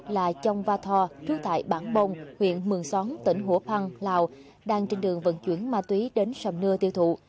là trong va tho trú tại bản bông huyện mường xón tỉnh hồ phan lào đang trên đường vận chuyển ma túy đến sầm nưa tiêu thụ